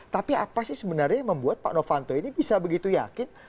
tapi apa sih sebenarnya yang membuat pak novanto ini bisa begitu yakin